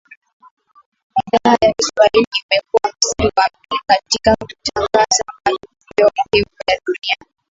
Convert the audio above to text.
idhaa ya kiswahili imekua mstari wa mbele katika kutangaza matukio muhimu ya dunia